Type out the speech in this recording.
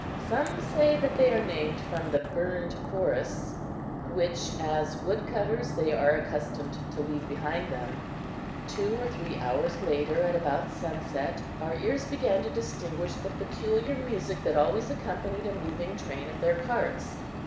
Some say that they are named from the "burned forests" which, as wood cutters, they are accustomed to leave behind them. Two or three hours later, at about sunset, our ears began to distinguish the peculiar music that always accompanied a moving train of their carts.